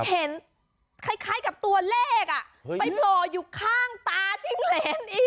เห็นคล้ายกับตัวเลขไปโผล่อยู่ข้างตาจิ้มเหรนอีก